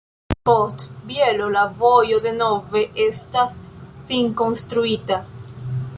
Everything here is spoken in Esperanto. Post Bielo la vojo denove estas finkonstruita.